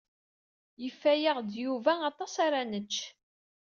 Yefa-yaɣ-d Yuba aṭas ara nečč.